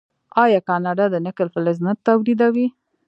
آیا کاناډا د نکل فلز نه تولیدوي؟